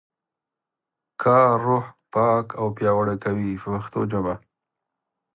کار روح پاک او پیاوړی کوي په پښتو ژبه.